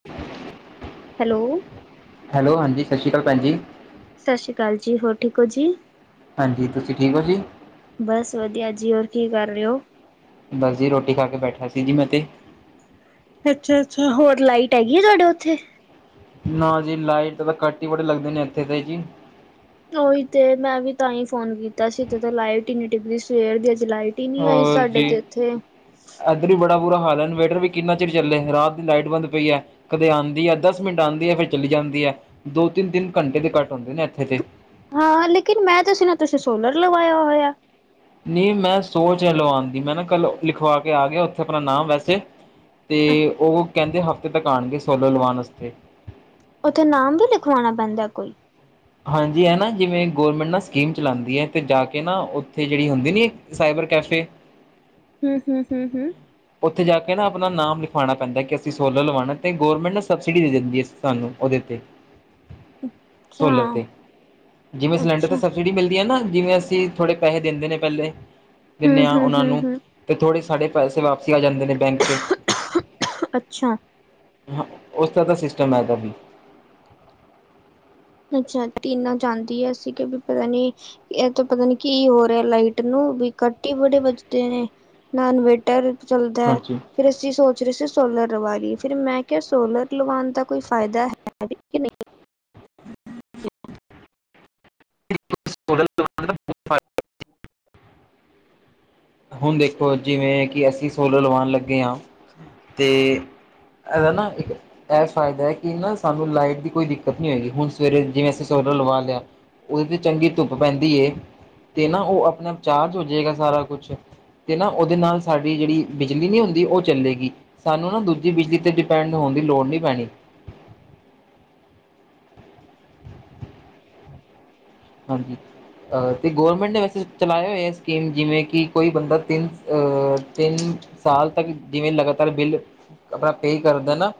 [unintelligible] Hello- hello ਹਾਂਜੀ ਸਤਿ ਸ਼੍ਰੀ ਅਕਾਲ ਪੈਣਜੀ। ਸਤਿ ਸ਼੍ਰੀ ਅਕਾਲ ਜੀ ਹੋਰ ਠੀਕ ਹੋ ਜੀ। ਹਾਂਜੀ ਤੁਸੀਂ ਠੀਕ ਔ ਜੀ। ਬਸ ਵਧੀਆ ਜੀ ਹੋਰ ਕੀ ਕਰ ਰਹੇ ਓ? ਬਸ ਜੀ ਰੋਟੀ ਖਾ ਕੇ ਬੈਠਾ ਸੀ ਜੀ ਮੈਂ ਤੇ ਅੱਛਾ-ਅੱਛਾ, ਹੋਰ ਲਾਈਟ ਹੈਗੀ ਆ ਤੁਹਾਡੇ ਉੱਥੇ। ਨਾ ਜੀ ਲਾਈਟ ਤਾਂ ਕੱਟ ਹੀ ਬੜੇ ਲੱਗਦੇ ਨੇ ਇੱਥੇ ਤੇ ਜੀ। ਉਹੀ ਤੇ ਮੈਂ ਵੀ ਤਾਂ ਹੀ ਫੋਨ ਕੀਤਾ ਸੀ ਤੇ ਤਾਂ ਲਾਈਟ ਇੰਨੀ ਟਿੱਬਦੀ ਸਵੇਰ ਦੀ ਅਜੇ ਲਾਈਟ ਹੀ ਨੀ ਆਈ ਹੋਰ ਜੀ ਸਾਡੇ ਤੇ ਇੱਥੇ। ਇੱਧਰ ਵੀ ਬੜਾ ਬੁਰਾ ਹਾਲ ਹੈ ਇਨਵੇਟਰ ਵੀ ਕਿੰਨਾ ਚਿਰ ਚੱਲੇ ਰਾਤ ਦੀ ਲਾਈਟ ਬੰਦ ਪਈ ਐ। ਕਦੇ ਆਂਦੀ ਹੈ ਦਸ ਮਿੰਟ ਆਂਦੀ ਹੈ ਫਿਰ ਚਲੀ ਜਾਂਦੀ ਐ ਦੋ- ਤਿੰਨ-ਤਿੰਨ ਘੰਟੇ ਦੇ ਘੱਟ ਹੁੰਦੇ ਨੇ ਇੱਥੇ ਤੇ ਹਾਂ-ਹਾਂ ਲੇਕਿਨ ਮੈਂ ਤਾਂ ਸੁਣਯਾ ਤੁਸੀਂ ਸੋਲਰ ਲਵਾਇਆ ਹੋਇਆ। ਨਹੀਂ ਮੈਂ ਸੋਚ ਰਿਹਾ ਲਵਾਂਦੀ ਮੈਂ ਨਾ ਕੱਲ ਲਿਖਵਾ ਕੇ ਆ ਗਿਆ ਉੱਥੇ ਆਪਣਾ ਨਾਮ ਵੈਸੇ- ਤੇ ਉਹ ਕਹਿੰਦੇ ਹਫ਼ਤੇ ਤੱਕ ਆਣਗੇ ਸੋਲਰ ਲਵਾਨ ਆਸਤੇ। ਉੱਥੇ ਨਾਮ ਵੀ ਲਿਖਵਾਣਾ ਪੈਂਦਾ ਕੋਈ ਹਾਂਜੀ ਇਹ ਨਾ ਜਿਵੇਂ ਗੌਰਮੈਂਟ ਨਾ ਸਕੀਮ ਚਲਾਂਦੀ ਹੈ ਅਤੇ ਜਾ ਕੇ ਨਾ ਉੱਥੇ ਜਿਹੜੀ ਹੁੰਦੀ ਨੀ ਸਾਈਬਰ ਕੈਫੇ ਹਮ ਹਮ ਹਮ ਹਮ ਉੱਥੇ ਜਾ ਕੇ ਨਾ ਆਪਣਾ ਨਾਮ ਲਿਖਾਉਣਾ ਪੈਂਦਾ ਕਿ ਅਸੀਂ ਸੋਲਰ ਲਵਾਉਣਾ ਤੇ ਗੌਰਰਮੈਂਟ ਨਾ ਸਬਸਿਡੀ ਦੇ ਦਿੰਦੀ ਹੈ ਸਾਨੂੰ ਉਹਦੇ ਤੇ ਸੋਲਰ ਅੱਛਾ। ਤੇ ਜਿਵੇਂ ਸਿਲੰਡਰ ਅੱਛਾ, ਤੇ ਸ ਜਿਹੜੀਮਿਲਦੀ ਹੈ ਨਾ ਜਿਵੇਂ ਅਸੀਂ ਥੋੜੇ ਪੈਸੇ ਦੇ ਦੇ ਨੇ ਪਹਿਲੇ ਦਿਨੇ ਹਾਂ ਹੂੰ-ਹੂੰ, ਉਹਨਾਂ ਨੂੰ ਹੂੰ-ਹੂੰ, ਤੇ ਥੋੜੇ ਸਾਡੇ ਪੈਸੇ ਵਾਪਸ। ਦੱਸ ਆ ਜਾਂਦੇ ਨੇ ਬੈਂਕ 'ਚ ਅੱਛਾ। ਹਾਂ ਉਸਦਾ ਤਾਂ ਸਿਸਟਮ ਹੈਗਾ ਵੀ। ਅੱਛਾ ਕੀਨਾ ਜਾਂਦੀ ਹੈ ਅਸੀ ਕਿ ਵੀ ਪਤਾ ਨਹੀਂੀ ਇਹ ਤਾਂ ਪਤਾ ਨੀ ਕੀ ਹੋ ਰਿਹਾ ਲਾਈਟ ਨੂੰ ਵੀ ਕੱਟ ਹੀ ਬੜੇ ਬਜਦੇ ਨੇ ਨਾ ਇਨਵੇਟਰ ਚੱਲਦਾ ਹੈ। ਹਾਂਜੀ ਫਿਰ ਅਸੀਂ ਸੋਚ ਰਹੇ ਸੀ ਸੋਲਰ ਲਵਾ ਲਈਏ ਫਿਰ ਮੈਂ ਕਿਹਾ ਸੋਲਰ ਲਵਾਉਣ ਦਾ ਕੋਈ ਫਾਇਦਾ ਹੈ ਵੀ ਕਿ ਨਹੀਂ [unintelligible] ਹੁਣ ਦੇਖੋ ਜਿਵੇ ਕਿ ਅਸੀ ਸੋਲਰ ਲਵਾਨ ਲੱਗੇ ਹਾਂ ਤੇ- ਇਹਦਾ ਨਾ ਇੱਕ ਇਹ ਫਾਇਦਾ ਹੈ ਕਿ ਨਾ ਸਾਨੂੰ ਲਾਈਟ ਦੀ ਕੋਈ ਦਿੱਕਤ ਨੀ ਹੋਏਗੀ ਹੁਣ ਸਵੇਰੇ ਜਿਵੇਂ ਅਸੀਂ ਲਵਾ ਲਿਆ ਉਹਦੇ ਤੇ ਚੰਗੀ ਧੁੱਪ ਪੈਂਦੀ। ਤੇ ਨਾ ਉਹ ਆਪਣੇ ਆਪਚਾਰਜ ਹੋ ਜਾਏਗਾ ਸਾਰਾ ਕੁ ਤੇ ਨਾ ਉਹਦੇ ਨਾਲ ਸਾਡੀ ਜਿਹੜੀ ਬਿਜਲੀ ਨਹੀ ਹੁੰਦੀ ਉਹ ਚੱਲੇਗੀ। ਸਾਨੂੰ ਨਾ ਦੂਜੀ ਬਿਜਲੀ ਤੇ ਡਿਪੈਂਡ ਹੋਣ ਦੀ ਲੋੜ ਨਹੀ ਪੈਣੀ। ਹਾਂਜੀ ਤੇ ਗੌਰਮੈਂਟ ਨੇ ਵੈਸੇ ਚਲਾਇਓ ਇਹ ਸਕੀਮ ਜਿਵੇਂ ਕਿ ਕੋਈ ਬੰਦਾ ਤਿੰਨ ਤਿੰਨ ਸਾਲ ਤੱਕ ਜਿਵੇਂ ਲਗਾਤਾਰ ਬਿੱਲ ਆਪਣਾ ਪੇ ਕਰਦਾ ਨਾ।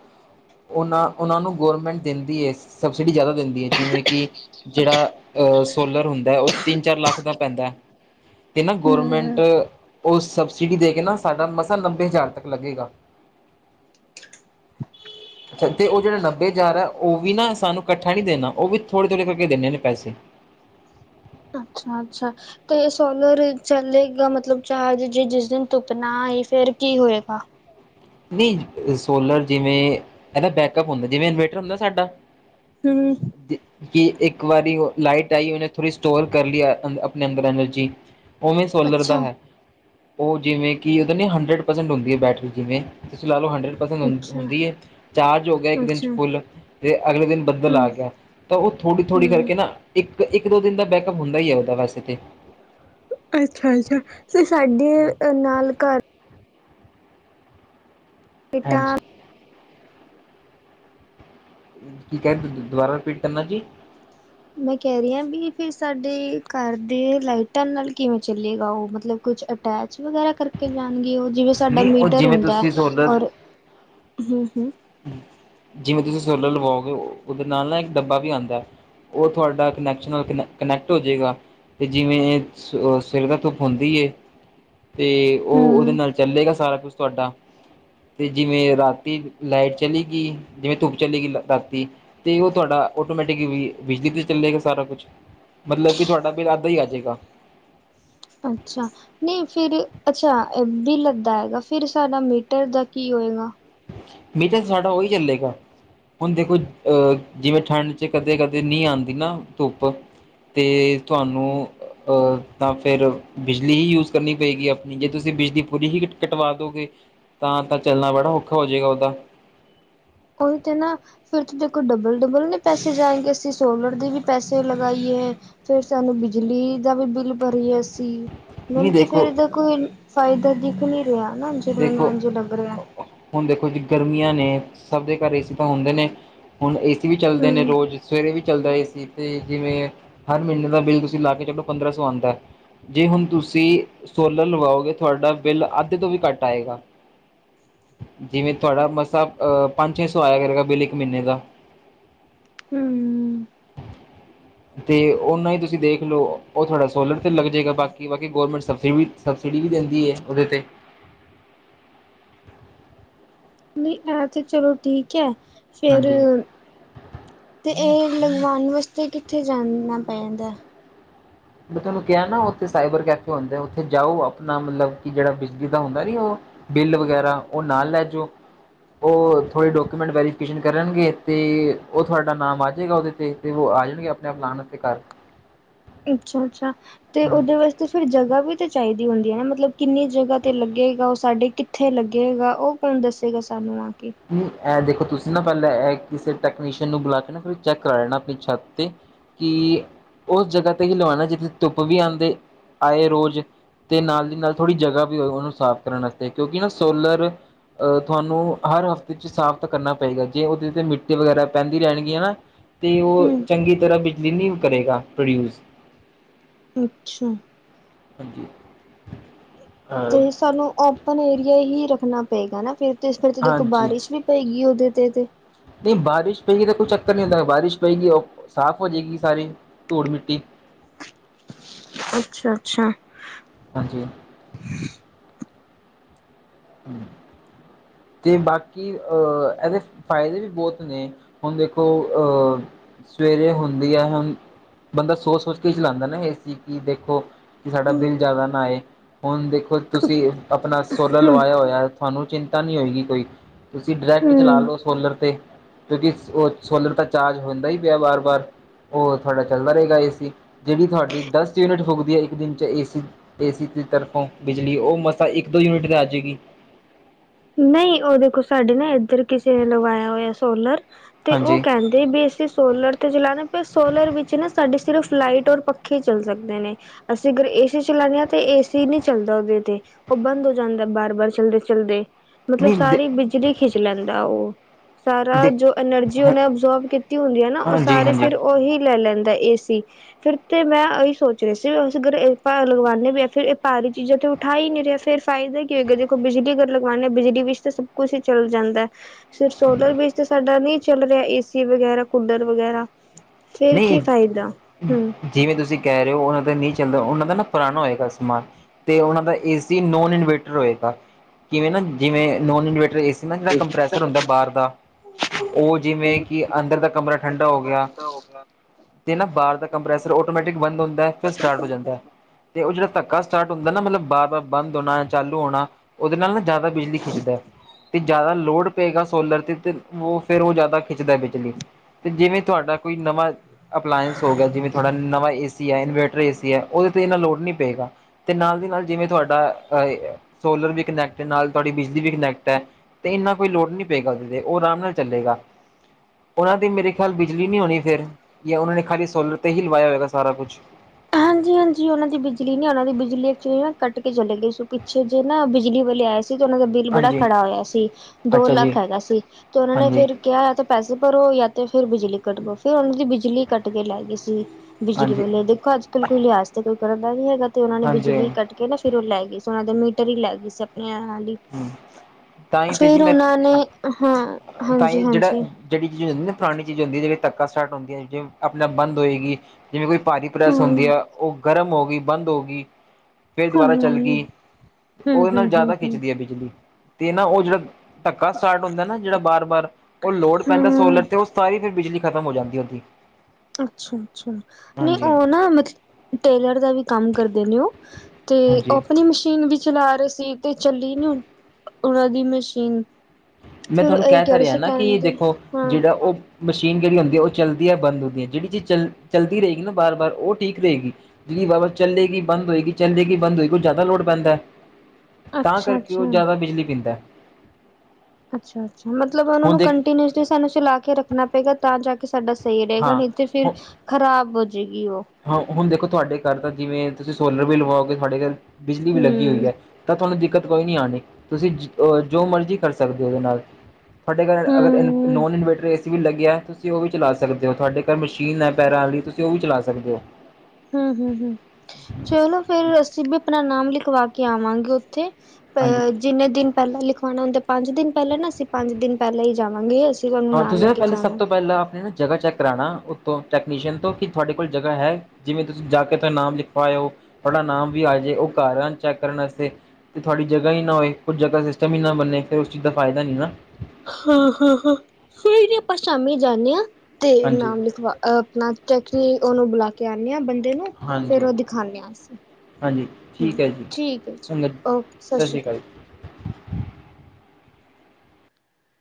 ਉਹਨਾਂ ਉਹਨਾਂ ਨੂੰ ਗੌਰਮੈਂਟ ਦਿੰਦੀ ਹੈ ਸਬਸਿਡੀ ਜ਼ਿਆਦਾ ਦਿੰਦੀ ਹੈ ਜਿਵੇਂ ਕਿ ਜਿਹੜਾ ਅਹ ਸੋਲਰ ਹੁੰਦਾ ਉਹ ਤਿੰਨ ਚਾਰ ਲੱਖ ਦਾ ਪੈਂਦਾ ਹੈ ਤੇ ਨਾ ਨਹੀਂ ਹਮ ਗੌਰੌਰਮੈਂਟ ਉਹ ਸਬਸਿਡੀ ਦੇ ਕੇ ਨਾ ਸਾਡਾ ਮਸਾਂ ਨੱਬੇ ਹਜ਼ਾਰ ਤੱਕ ਲੱਗੇਗਾ [unintelligible] ਅੱਛਾ ਤੇ ਉਹ ਜਿਹੜਾ ਨੱਬੇ ਹਜ਼ਾਰ ਹੈ ਉਹ ਵੀ ਨਾ ਸਾਨੂੰ ਇਕੱਠੇ ਨਹੀਂ ਦੇਣਾ ਉਹ ਵੀ ਥੋੜੇ ਥੋੜੇ ਕਰਕੇ ਦੇਣੇ ਨੇ ਪੈਸੇ ਅੱਛਾ ਅੱਛਾ ਤੇ ਸੋਲਰ ਚੱਲੇਗਾ ਮਤਲਬ ਚਾਰਜ ਜੇ ਜਿਸ ਦਿਨ ਤੁੁੱਪ ਨਾ ਆਈ ਫੇਰ ਕੀ ਹੋਏਗਾ। ਨਹੀਂ ਸੋਲਰ ਜਿਵੇਂ ਇਹਦਾ ਬੈਕਅਪ ਹੁੰਦਾ ਜਿਵੇਂ ਇਨਵੇਰਟਰ ਹੁੰਦਾ ਸਾਡਾ ਹੂੰ, ਕਿ ਇੱਕ ਵਾਰੀ ਉਹ ਲਾਈਟ ਆਈ ਉਹਨੇ ਥੋੜ੍ਹੀ ਸਟੋਰ ਕਰ ਲਿਆ ਆਪਣੇ ਅੰਦਰ ਐਨਰਜੀ। ਉਵੇਂ ਸੋਲਰ ਅੱਛਾ ਦਾ ਹੈ ਉਹ ਜਿਵੇਂ ਕਿ ਉਹਦੇ ਨੇ ਹੰਡਰਡ ਪਰਸੈਂਟ ਹੁੰਦੀ ਹੈ ਬੈਟਰੀ ਜਿਵੇਂ ਤੁਸੀਂ ਲਾ ਲਓ ਹੰਡਡਸਟ ਹੁੰ ਅੱਛਾ ਹੈ ਚਾਰਜ ਹੋ ਗਿਆ ਇੱਕ ਦਿਨ ਚ ਅੱਛਾ ਫੁੱਲ ਤੇ ਅਗਲੇ ਦਿਨ ਬੱਦਲ ਹਮ ਆ ਗਿਆ ਤਾਂ ਉਹ ਥੋੜ੍ਹੀ ਥੋੜ੍ਹੀ ਹਮ ਕਰਕੇ ਨਾ। ਇੱਕ ਇੱਕ ਦੋ ਦਿਨ ਦਾ ਬੈਕਅਪ ਹੁੰਦਾ ਹੀ ਹੈ ਉਹਦਾ ਵੈਸੇ ਤੇ ਅੱਛਾ ਅੱਛਾ ਤੇ ਸਾਡੇ ਅ ਨਾਲ ਘਰ ਇਟਾ ਹਾਂਜੀ ਕੀ ਕਿਹਾ ਦੁਬਾਰਾ ਰਿਪੀਟ ਕਰਨਾ ਜੀ। ਮੈਂ ਕਹਿ ਰਹੀ ਹਾਂ ਵੀ ਫਿਰ ਸਾਡੇ ਘਰ ਦੇ ਲਾਈਟਾਂ ਨਾਲ ਕਿਵੇਂ ਚੱਲੇਗਾ ਉਹ ਮਤਲਬ ਕੁਛ ਅਟੈਚ ਵਗੈਰਾ ਕਰਕੇ ਜਾਣਗੇ ਉਹ ਜਿਵੇਂ ਸਾਡਾ ਨਹੀਂ ਉਹ ਮੀਟਰ ਜਿਵੇਂ ਹੁੰਦਾ ਤੁਸੀਂ ਸੋਲਰ ਔਰ ਹੂੰ ਹੂੰ, ਜਿਵੇਂ ਤੁਸੀਂ ਸੋਲਰ ਲਵਾਉਗੇ ਉਹਦੇ ਨਾਲ ਨਾ ਇੱਕ ਡੱਬਾ ਵੀ ਆਉਂਦਾ। ਉਹ ਤੁਹਾਡਾ ਕਨੈਕਸ਼ਨ ਨਾਲ ਕਨੈ ਕਨੈਕਟ ਹੋ ਜਾਏਗਾ ਤੇ ਜਿਵੇਂ ਸਿਗਰ ਧੁੱਪ ਹੁੰਦੀ ਏ ਤੇ ਉਹ ਉਹਦੇ ਹੂੰ ਨਾਲ ਚੱਲੇਗਾ ਸਾਰਾ ਕੁਛ ਤੁਹਾਡਾ ਤੇ ਜਿਵੇਂ ਰਾਤੀ ਲਾਈਟ ਚਲੀ ਗਈ ਜਿਵੇਂ ਧੁੱਪ ਚਲੇ ਗਈ ਰਾਤੀ। ਤੇ ਉਹ ਤੁਹਾਡਾ ਆਟੋਮੈਟਿਕ ਵੀ ਬਿਜਲੀ ਤੇ ਚੱਲਗਾ ਸਾਰਾ ਕੁਛ ਮਤਲਬ ਕਿ ਤੁਹਾਡਾ ਬਿੱਲ ਅੱਦਾ ਹੀ ਆ ਜਾਵੇਗਾ। ਅੱਛਾ। ਨਹੀਂ, ਫਿਰ ਅੱਛਾ ਇਹ ਵੀ ਲੱਦਾ ਹੈਗਾ, ਫਿਰ ਸਾਡਾ ਮੀਟਰ ਦਾ ਕੀ ਹੋਏਗਾ। ਮੀਟਰ ਸਾਡਾ ਉਹੀ ਚੱਲੇਗਾ। ਹੁਣ ਦੇਖੋ ਅਹ ਜਿਵੇਂ ਠੰਡ ਚ ਕਦੇ- ਕਦੇ ਨਹੀ ਆਂਦੀ ਨਾ, ਧੁਪ। ਤੇ ਤੁਹਾਨੂੰ ਅਹ ਤਾਂ ਫੇਰ ਬਿਜਲੀ ਹੀ ਯੂਜ ਕਰਨੀ ਪਏਗੀ ਆਪਣੀ, ਜੇ ਤੁਸੀਂ ਬਿਜਲੀ ਪੂਰੀ ਹੀ ਕਟਵਾ ਦੋਗੇ ਤਾਂ-ਤਾਂ ਚੱਲਣਾ ਬੜਾ ਔਖਾ ਹੋ ਜੇਗਾ ਉਹਦਾ। ਉਹੀ ਤੇ ਨਾ ਫਿਰ ਤਾਂ ਦੇਖੋ ਡਬਲ-ਡਬਲ ਨੇ ਪੈਸੇ ਜਾਏਗੇ, ਅਸੀਂ ਸੋਲਰ ਦੇ ਵੀ ਪੈਸੇ ਲਗਾਈਏ। ਫੇਰ ਸਾਨੂੰ ਬਿਜਲੀ ਦਾ ਵੀ ਬਿੱਲ ਭਰੀਏ ਅਸੀਂ। ਨਹੀਂ ਮੈਨੂੰ ਤੇ ਫੇਰ ਦੇਖੋ ਇਹਦਾ ਕੋਈ ਫਾਇਦਾ ਦਿਖ ਨੀ ਰਿਹਾ, ਹਨਾ। ਦੇਖੋ ਹੁਣ ਦੇਖੋ ਜੇ ਗਰਮੀਆਂ ਨੇ, ਸਭ ਦੇ ਘਰ ਏ ਸੀ ਤਾਂ ਹੁੰਦੇ ਨੇ। ਹੁਣ ਏ ਸੀ ਵੀ ਚੱਲਦੇ ਨੇ ਹੂੰ ਰੋਜ਼। ਸਵੇਰੇ ਵੀ ਚੱਲਦਾ ਏ ਸੀ ਤੇ, ਜਿਵੇਂ ਹਰ ਮਹੀਨੇ ਦਾ ਬਿੱਲ ਤੁਸੀਂ ਲਾ ਕੇ ਚਲੋ ਪੰਦਰਾਂ ਸੌ ਆਂਦਾ। ਜੇ ਹੁਣ ਤੁਸੀਂ ਸੋਲਰ ਲਵਾਓਗੇ, ਤੁਹਾਡਾ ਬਿੱਲ ਅੱਧ ਤੋਂ ਵੀ ਘੱਟ ਆਏਗਾ ਜਿਵੇਂ ਤੁਹਾਡਾ ਮਸਾਂ ਅ ਪੰਜ ਛੇ ਸੌ ਆਇਆ ਕਰੇਗਾ, ਬਿੱਲ ਇੱਕ ਮਹੀਨੇ ਦਾ। ਹੂੰ, ਤੇ ਉਨਾਂ ਹੀ ਤੁਸੀਂ ਦੇਖ ਲੋ, ਉਹ ਥੋਡਾ ਸੋਲਰ ਤੇ ਲੱਗ ਜੇਗਾ, ਬਾਕੀ- ਬਾਕੀ ਗੌਰਮੈਂਟ ਸਬਸਿਡੀ ਵੀ ਸਬਸਿਡੀ ਵੀ ਦਿੰਦੀ ਏ, ਉਹਦੇ ਤੇ। ਨਹੀਂ ਇਹ ਤੇ ਚਲੋ ਠੀਕ ਐ, ਫੇਰ ਹਾਂਜੀ ਤੇ ਇਹ ਲਗਵਾਣ ਵਾਸਤੇ ਕਿੱਥੇ ਜਾਨਣਾ ਪੈਂਦਾ। ਮੈਂ ਤੁਹਾਨੂੰ ਕਿਹਾ ਨਾ ਉੱਥੇ ਸਾਈਬਰ ਕੈਫੇ ਹੁੰਦੇ ਉੱਥੇ ਜਾਓ, ਆਪਣਾ ਮਤਲਬ ਕਿ ਜਿਹੜਾ ਬਿਜਲੀ ਦਾ ਹੁੰਦਾ ਨੀ ਉਹ ਬਿੱਲ ਵਗੈਰਾ ਉਹ ਨਾ ਲੈ ਜੋ। ਉਹ ਥੋੜ੍ਹੇ ਡੋਕੂਮੈਂਟ ਵੈਰੀਫਿਕੇਸ਼ਨ ਕਰਨਗੇ, ਤੇ ਉਹ ਥੋਹਾਡਾ ਨਾਮ ਆ ਜੇਗਾ ਉਹਦੇ ਤੇ। ਤੇ ਉਹ ਆ ਜਾਣਗੇ, ਆਪਣੇ ਆਪ ਲਾਣ ਵਾਸਤੇ ਘਰ। ਅੱਛਾ- ਅੱਛਾ, ਤੇ ਹੁਣ ਉਹਦੇ ਵਾਸਤੇ ਫਿਰ ਜਗ੍ਹਾ ਵੀ ਤਾਂ ਚਾਹੀਦੀ ਹੁੰਦੀ ਐ ਨਾ ਮਤਲਬ। ਕਿੰਨੀ ਜਗ੍ਹਾ ਤੇ ਲੱਗੇਗਾ, ਉਹ ਸਾਡੇ ਕਿੱਥੇ ਲੱਗੇਗਾ, ਉਹ ਕੌਣ ਦੱਸੇਗਾ ਸਾਨੂੰ ਆ ਕੇ। ਇਹ ਦੇਖੋ ਤੁਸੀਂ ਨਾ ਪਹਿਲਾਂ ਇਹ ਕਿਸੇ ਟੈਕਨੀਸ਼ੀਅਨ ਨੂੰ ਬੁਲਾ ਕੇ ਨਾ, ਫਿਰ ਚੈੱਕ ਕਰਾ ਲੈਣਾ ਆਪਣੀ ਛੱਤ ਤੇ ਕੀ ਉਹ ਜਗਾ ਤੇ ਹੀ ਲਵਾਣਾ, ਜਿੱਥੇ ਧੁੱਪ ਵੀ ਆਂਦੇ ਆਏ ਰੋਜ਼, ਤੇ ਨਾਲ ਦੀ ਨਾਲ ਥੋੜ੍ਹੀ ਜਗ੍ਹਾ ਵੀ ਹੋਏ ਉਹਨੂੰ ਸਾਫ਼ ਕਰਨ ਵਾਸਤੇ, ਕਿਉਂਕਿ ਨਾ ਸੋਲਰ ਅ ਥਹਾਨੂੰ। ਹਰ ਹਫ਼ਤੇ ਚ ਸਾਫ਼ ਤਾਂ ਕਰਨਾ ਪਏਗਾ, ਜੇ ਉਹਦੇ ਤੇ ਮਿੱਟੀ ਵਗੈਰਾ ਪੈਂਦੀ ਰਹਿਣਗੀਆਂ ਨਾ ਤੇ ਉਹ ਹੂੰ, ਚੰਗੀ ਤਰ੍ਹਾਂ ਬਿਜਲੀ ਨਹੀਂ ਕਰੇਗਾ, ਪ੍ਰੋਡਿਊਸ। ਅੱਛਾ। ਹਾਂਜੀ। ਅਹ ਤੇ ਸਾਨੂੰ ਓਪਨ ਏਰੀਆ ਹੀ ਰੱਖਣਾ ਪਏਗਾ ਨਾ, ਫੇਰ ਤੇ ਫਿਰ ਤੇ ਦੇਖੋ ਹਾਂਜੀ ਬਾਰਿਸ਼ ਵੀ ਪਏਗੀ ਉਹਦੇ ਤੇ-ਤੇ ਨਹੀਂ ਬਾਰਿਸ਼ ਪਏਗੀ ਤਾਂ ਕੋਈ ਚੱਕਰ ਨਹੀਂ ਹੁੰਦਾ, ਬਾਰਿਸ਼ ਪਏਗੀ ਉਹ ਸਾਫ਼ ਹੋ ਜੇਗੀ ਸਾਰੀ ਧੂੜ ਮਿੱਟੀ। ਅੱਛਾ-ਅੱਛਾ। ਹਾਂਜੀ। ਤੇ ਬਾਕੀ ਅਹ ਇਹਦੇ ਫਾਇਦੇ ਵੀ ਬਹੁਤ ਨੇ। ਹੁਣ ਦੇਖੋ ਅਹ ਸਵੇਰੇ ਹੁੰਦੀ ਐ ਹੁਣ ਬੰਦਾ ਸੋਚ ਸੋਚ ਕੇ ਚਲਾਂਦਾ ਨਾ, ਏ ਸੀ ਕੀ ਦੇਖੋ ਕਿ ਸਾਡਾ ਬਿਲ ਜ਼ਿਆਦਾ ਨਾ ਆਏ, ਹੁਣ ਦੇਖੋ ਤੁਸੀਂ ਆਪਣਾ ਸੋ ਸੋਲਰ ਲਵਾਇਆ ਹੋਇਆ, ਤੁਹਾਨੂੰ ਚਿੰਤਾ ਨੀ ਹੋਏਗੀ ਕੋਈ, ਤੁਸੀਂ ਡਰੈਕਟ ਚਲਾ ਹੂੰ। ਲੋ ਸੋਲਰ ਤੇ। ਕਿਉਂਕਿ ਉਹ ਸੋਲਰ ਤਾਂ ਚਾਰਜ ਹੁੰਦਾ ਹੀ ਪਿਆ ਵਾਰ- ਵਾਰ, ਉਹ ਤੁਹਾਡਾ ਚੱਲਦਾ ਰਹੇਗਾ ਏ ਸੀ, ਜਿਹੜੀ ਤੁਹਾਡੀ ਦਸ ਯੂਨਿਟ ਫੁਕਦੀ ਐ ਇੱਕ ਦਿਨ ਚ ਏ ਸੀ, ਏ ਸੀ ਦੀ ਤਰਫੋਂ ਬਿਜਲੀ ਉਹ ਮਸਾਂ ਇੱਕ ਦੋ ਯੂਨਿਟ ਤੇ ਆ ਜੇਗੀ। ਨਹੀਂ ਉਹ ਦੇਖੋ ਸਾਡੇ ਨਾ ਇੱਧਰ ਕਿਸੇ ਨੇ ਲਗਵਾਇਆ ਹੋਇਆ ਸੋਲਰ ਤੇ ਉਹ ਹਾਂਜੀ ਕਹਿਣ ਵੀ ਅਸੀਂ ਸੋਲਰ ਤੇ ਚਲਾਾਨ ਪਰ ਸੋਲਰ ਵਿੱਚ ਨਾ ਸਾਡੇ ਸਿਰਫ ਲਾਈਟ ਔਰ ਪੱਖੇ ਚੱਲ ਸਕਦੇ ਨੇ। ਅਸੀਂ ਅਗਰ ਏਸੀ ਚਲਾਉਾਨਣੇ ਆਾਂ ਤੇ ਏਸੀ ਨੀ ਤੇ ਉਹ ਬੰਦ ਹੋ ਜਾਂਦਾ ਬਾਰ-ਬਾਰ ਚਲਦੇ ਚੱਲਦੇ ਮਤਲਬ ਨਹੀਂ ਸਾਰੀ ਬ। ਖਿੱਚ ਲੈਂਦਾ ਉਹ। ਸਾਰਾ ਦੇ ਜੋ ਐਨਰਜੀ ਉਹਨੇ ਅਬਜੋਰਬ ਕੀਤੀ ਹੁੰਦੀ ਹੈ ਨਾ ਉਹ ਹਾਂਜੀ ਸਾਰੇ ਹਾਂਜੀ ਫਿਰ ਉਹੀ ਲੈ ਲੈਂਦਾ ਏਸੀ। ਫਿਰ ਤੇ ਮੈਂ ਇਹੀ ਸੋਚ ਰਿਹਾ ਸੀ ਇਕ ਬਾਰ ਲਗਵਾਾਨੇ ਵੀ ਫਿਰ ਇਹ ਪਾਰੀ ਚੀਜ਼ਾਂ ਤੇ ਉਠਾ ਹੀ ਨਹੀਂ ਰਿਹਾ ਫਿਰ ਫਾਇਦਾ ਕੀ ਹੋਏਗਾ ਦੇਖੋ ਬਿਜਲੀ ਅਗਰ ਲਗਵਾਉਦੇ ਹ ਬਿਜਲੀ ਵਿੱਚ ਤਾਂ ਸਭ ਕੁਛ ਹੀ ਚੱਲ ਜਾਂਦਾ। ਸਿਰਫ ਸੋਲਰ ਬ੍ਰਿਜ ਤੇ ਸਾਡਾ ਨਹੀਂ ਚੱਲ ਰਿਹਾ ਏਸੀ ਵਗੈਰਾ ਕੂਡਰ ਵਗੈਰਾ ਫਿਰ ਨਹੀਂ ਕੀ ਫ਼ਾਇਦਾ' ਹਮ। ਜਿਵੇਂ ਤੁਸੀਂ ਕਹਿ ਰਹੇ ਹੋ ਉਹਨਾਂ ਦਾ ਨਹੀਂ ਚੱਲਦਾ ਉਹਨਾਂ ਦਾ ਨਾ ਪੁਰਾਣਾ ਹੋਏਗਾ ਸਮਾਨ ਤੇ ਉਹਨਾਂ ਦਾ ਏ ਸੀ ਨੋਨ ਇਨਵੇਰਟਰ ਹੋਏਗਾ' ਕਿਵੇਂ ਨਾ ਜਿਵੇਂ ਨੋਨ ਇਨਵੇਰਟਰ ਏ। ਜਿਹੜਾ ਕੰਪ੍ਰੈਸਰ ਹੁੰਦਾ ਬਾਹਰ ਦਾ ਉਹ ਜਿਵੇਂ ਕਿ ਅੰਦਰ ਦਾ ਕਮਰਾ ਠੰਡਾ ਹੋ ਗਿਆ। ਹੋਣਾ ਤੇ ਨਾ ਬਾਹਰ ਦਾ ਕੰਪੈਸਰ ਆਟੋਮੈਟਿਕ ਬੰਦ ਹੁੰਦਾ ਫਿਰ ਸਟਾਰਟ ਹੋ ਜਾਂਦਾ ਹੈ। ਤੇ ਉਹ ਜਿਹੜਾ ਧੱਕਾ ਸਟਾਰਟ ਹੁੰਦਾ ਨਾ ਮਤਲਬ ਬਾਰ ਬਾਰ ਬੰਦ ਹੋਣਾ ਜਾਂ ਚਾਲੂ ਹੋਣਾ ਉਹਦੇ ਨਾਲ ਨਾ ਜ਼ਿਆਦਾ ਬਿਜਲੀ ਖਿੱਚਦਾ ਤੇ ਜ਼ਿਆਦਾ ਲੋੜ ਪਏਗਾ ਸੋਲਰ ਤੇ ਉਹ ਫੇਿਰ ਉਹ ਜ਼ਿਆਦਾ ਖਿੱਚਦਾ ਬਿਜਲੀ ਤੇ ਜਿਵੇਂ ਤੁਹਾਡਾ ਕੋਈ ਨਵਾਂ ਅਪਲਾਇੰਸ ਹੋ ਗਿਆ ਜਿਵੇਂ ਥਹਾੜਡਾ ਨਵਾਂ ਏ ਸੀ ਹੈ ਇਨਵੇਟਰ ਏ ਸੀ ਹੈ ਉਹਦੇ ਤੇ ਇੰਨਾ ਲੋੜ ਨਹੀਂ ਪਏਗਾ ਤੇ ਨਾਲ ਦੀ ਨਾਲ ਜਿਵੇਂ ਤੁਹਾਡਾ ਸੋਲਰ ਵੀ ਕਨੈਕਟ ਹੈ ਨਾਲ ਤੁਹਾਡੀ ਬਿਜਲੀ ਵੀ ਕਨੈਕਟ ਹੈ। ਤੇ ਇੰਨਾ ਕੋਈ ਲੋੜ ਨਹੀਂੀ ਪਏਗਾ ਉਹ ਤੇ ਉਹ ਆਰਾਮ ਨਾਲ ਚੱਲੇਗਾ। ਉਹਨਾਂ ਦੀ ਮੇਰੇ ਖਿਆਲ ਬਿਜਲੀ ਨਹੀਂ ਹੋਣੀ ਫਿਰ ਜਾਂ ਉਹਨਾਂ ਨੇ ਖਾਲੀ ਸੋਲਰ ਤੇ ਹੀ ਲਵਾਇਆ ਹੋਏਗਾ ਸਾਰਾ ਕੁਛ। ਹਾਂ ਹਾਂਜੀ, ਹਾਂਜੀ ਉਹਨਾਂ ਦੀ ਬਿਜਲੀ ਨ ਉਹਨਾਂ ਦੀ ਬਿਜਲੀ ਐਕਚੁਲੀ ਨਾ ਕੱਟ ਕੇ ਚਲੇ ਗਈ ਸੀ ਪਿੱਛੇ ਜੇ ਨਾ ਬਿਜਲੀ ਵੇਲੇ ਆਏ। ਤੇ ਉਹਨਾਂ ਦਾ ਬਿੱਲ ਬੜਾ ਹਾਂਜੀ ਖੜਾ ਹੋਇਆ ਸੀ ਦੋ ਅੱਛਾ ਲੱਖ ਜੀ ਹੈਗਾ ਸੀ ਤੇ ਉਹਨਾਂ ਨੇ ਹਾਂਜੀ ਫਿਰ ਕਿਹਾ ਤੇ ਪੈਸੇ ਪਰ ਉਹ ਯਾ ਤੇ ਫੇਿਰ ਬਿਜਲੀ ਕੱਟ ਗੋ ਫੇਿਰ ਉਹਨਾਂ ਦੀ ਬਿਜਲੀ ਕੱਟ ਕੇ ਲੈ ਗਈ ਸੀ ਬਿਜਲੀ ਹਾਂਜੀ ਵਾਲੇ ਦੇਖੋ ਅੱਜ ਬਿਲ ਕੋਈ ਲਿਹਾਜ਼ ਤੇ ਕੋਈ ਕਰਨ ਦਾ ਨ ਨਹੀਂ ਹੈਗਾ ਤੇ ਉਹਨਾਂ ਨੇ ਹਾਂਜੀ ਬਿਜਲੀ ਕੱਟ ਕਹਿੰਦਾ ਫਿਰ ਉਹ ਲੈ ਗਈ ਸੀ ਉਹਨਾਂ ਦੇ ਮੀਟਰ ਹੀ ਲੈ ਗਈ ਸੀ ਆਪਣੇ ਹੀ। ਹੂੰ ਤਾਂ ਹੀ ਤੇ ਜੀ ਫਿਰ ਮੈਂ ਉਹਨਾਂ ਨੇ ਹਾਂ ਹਾਂਜੀ ਹਾਂਜੀ ਜਿੜੀ ਚੀਜ਼ ਹੁੰਦੀ ਨਾ ਪੁਰਾਣੀ ਚੀਜ਼ ਹੁੰਦੀ ਜਿਹੜ ਤੱਕਾ ਸਟੈਟ ਹੁੰਦੀ ਜਿਵੇ ਆਪਣਾ ਬੰ ਹੋਏਗੀ ਜਿਵੇਂ ਕੋਈ ਪਾਰੀ ਪ੍ਰੈਸ ਹੁੰਦੀ ਹੂੰ ਆ ਉਹ ਗਰਮ ਹੋ ਗਈ ਬੰਦ ਹੋ ਗਈ। ਫਿਰ ਦੁਬਾਰਾ ਚੱਲ ਹੂੰ ਗਈ ਉਹਦੇ ਨਾਲ ਜ਼ਿਆਦਾ ਹੂੰ-ਹੂੰ-ਹੂੰ-ਹੂੰ ਖਿੱਚਦੀ ਹੈ ਬਿਜਲੀ ਤੇ ਨਾ ਉਹ ਜਿਹੜਾ ਧੱਕਾ ਸਟਾਰਟ ਹੁੰਦਾ ਨਾ ਜਿਹੜਾ ਬਾਰ ਬਾਰ ਉਹ ਲੋੜ ਪੈਂਦਾ ਸੋਲਰ ਹੂੰ ਤੇ ਉਹ ਸਾਰੀ ਫਿਰ ਬਿਜਲੀ ਖਤਮ। ਖ਼ਮ ਹੋ ਜਾਂਦੀ ਉਹਦੀ। ਅੱਛਾ ਅੱਛਾ ਨਹੀਂ ਹਾਂਜੀ ਉਹ ਨਾ ਮਤਲ ਟੇਲਰ ਦਾ ਵੀ ਕੰਮ ਕਰਦੇ ਨੇ ਉਹ ਤੇ ਆਪ ਹਾਂਜੀ ਆਪਣੀ ਮਸ਼ੀਨ ਵੀ ਚਲਾ ਰਹੇ ਸੀ ਤੇ ਚੱਲੀ ਨੀ ਹੁ ਉਹਨਾਂ ਦੀ ਮਸ਼ੀਨ ਮੈਂ ਫਿਰ ਤੁਹਾਨੂੰ ਇਹ ਕਹਿ ਤਾਂ ਰਹੇ ਰਿਹਾ ਸੀ ਨਾ ਕਿ ਕਹਿੰਦੇ ਦੇਖੋ ਹਾਂ ਜਿਹੜਾ ਉਹ ਮਸ਼ੀਨ ਜਹੀ ਹੁੰਦੀ ਹੈ ਉਹ ਚਲਦੀ ਹੈ ਬੰਦ ਹੁੰਦੀ ਹੈ ਜਿਹੜੀ ਚੀਜ਼ ਚੱਲ ਚਲਦੀ ਰਹੇਗੀ ਨਾ ਬਾਰ-ਬਾਰ ਉਹ ਠੀਕ ਰਹੇਗੀ। ਜਿਹੜੀ ਵਾਹ ਚੱਲੇਗੀ ਬਦ ਹੋਏਗੀ ਚੱਲੇਗੀ ਬਦ ਹੋਏਗੀ ਉਹ ਜ਼ਿਆਦਾ ਲੋੜ ਪੈਂਦਾ ਤਾਂ ਕਰਕੇ ਉਹ ਅੱਛਾ-ਅੱਛਾ, ਜ਼ਿਆਦਾ ਬਿਜਲੀ ਪੀਂਦਾ। ਅੱਛਾ-ਅੱਛਾ ਮਤਲਬ ਉਹਨਾਂ ਹੁਣ ਨੂੰ ਦੇਖ ਕੰਟੀਨੂਸਲੀ ਸਾਨੂੰ ਸੁਲਾ ਕੇ ਰੱਖਣਾ ਪਏਗਾ ਤਾਂ ਜਾ ਕੇ ਸਾਡਾ। ਸਹੀ ਰਹੇਗਾ ਹਾਂ ਨੀ ਤੇ ਫਿਰ ਹੁ ਖ਼ਰਾਬ ਹੋ ਜਾਏਗੀ ਉਹ। ਹਾਂ ਹੁਣ ਦੇਖੋ ਤੁਹਾਡੇ ਘਰ ਤਾਂ ਜਿਵੇਂ ਤੁਸੀਂ ਸੋਲਰ ਬ ਲਵਾਓਗੇ ਤੁਹਾਡੇ ਘਰ ਬਿਜਲੀ ਵੀ ਲੱਗੀ ਹੋਈ ਹੂੰ, ਹੈ ਤਾਂ ਤੁਹਾਨੂੰ ਦਿੱਕਤ ਕੋਈ ਨੀ ਆਉਣੀ ਤੁਸੀਂ ਜੋ ਮਰਜ਼ੀ ਕਰ ਸਕਦੇ ਹੋ ਉਹਦੇ ਨਾਲ ਤੁਹਾਡੇ ਘਰ ਅਗਰ ਹੂੰ, ਨੋ ਇਨਵੇਟਰ ਵੀ ਲੱਗਿਆ ਤੁਸੀਂ ਉਹ ਵੀ ਚਲਾ ਸਕਦੇ ਹੋ ਤੁਹਾਡੇ ਘਰ ਮਸ਼ੀਨ ਹੈ ਪੈਰਾਂ ਵਾਲੀ ਤੁਸੀਂ ਉਹ ਵੀ ਚਲਾ ਸਕਦੇ ਹੋ ਹ ਹ ਹ, [unintelligible] ਚਲੋ ਫਿਰ ਅਸੀਂ ਵੀ ਅਪਣਾ ਨਾਮ ਲਿਖਵਾ ਕੇ ਆਵਾਂਗੇ ਔਥੇ। ਹਾਂਜੀ ਜਿੰਨੇ ਦਿਨ ਪਹਿਲਾਂ ਲਿਖਵਾਉਣਾ ਹੁੰਦੇ ਪੰਜ ਦਿਨ ਪਹਿਲਾਂ ਨਾ ਅਸੀਂ ਪੰਜ ਦਿਨ ਪਹਿਲਾਂ ਹੀ ਜਾਵਾਂਗੇ ਅਸੀ ਹਾਂ ਤੁਸੀਂ ਨਾ ਪਹਿਲਲੇ ਸਭ ਤੋਂ ਪਹਿਲਾਂ ਆਪਣੇ ਨਾ ਜਗ੍ਹਾ ਚੈੱਕ ਕਰਾਉਣਾ ਉੱਥੋਂ ਟੈਕਨੀਸ਼ੀਅਨ ਤੋਂ ਕਿ ਤੁਹਾਡੇ ਕੋਲ ਜਗ੍ਹਾ ਹੈ ਜਿਵੇਂ ਤੁਸੀਂ ਜਾ ਕੇ ਤਾਂ ਨਾਮ ਲਿਖਵਾ ਆਓ ਤੁਹਾਡਾ ਨਾਮ ਵੀ ਆ ਜਾਏ, ਉਹ ਘਰ ਆ ਚੈੱਕ ਕਰਨ ਵਾਸਤੇ ਤੇ ਤੁਹਾਡੀ ਜਗ੍ਹਾ ਹੀ ਨਾ ਹੋਵੇ, ਕੋਈ ਜਗ੍ਹਾ ਦਾ ਸਿਸਟਮ ਹੀ ਨਾ ਬਣੇ ਫਿਰ ਉਸ ਚੀਜ਼ ਦਾ ਫਾਇਦਾ ਨੀ ਨਾ‌। ਹਾਂ-ਹਾਂ-ਹਾਂ ਫਿਰ ਆਪਾਂ ਸ਼ਾਮੀ ਜਾਂਦੇ ਹਾਂ ਤੇ ਹਾਂਜੀ ਨਾਮ ਲਿਖਵਾ ਅ ਆਪਣਾ ਚੈਕ ਉਹਨੂੰ ਬੁਲਾ ਕੇ ਆਂਦੇ ਆ ਬੰਦੇ ਨੂੰ ਫੇਰ ਹਾਂਜੀ ਉਹ ਦਿਖਾਣੇ ਆ ਅਸੀ। ਹਾਂਜੀ ਹਮ ਠੀਕ ਹੈ ਜੀ ਠੀਕ ਐ ਜੀ ਓਕੇ, ਸਤਿ ਸ੍ਰੀ ਅਕਾਲ।